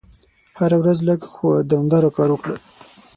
هره ورځ لږ خو دوامداره کار وکړه.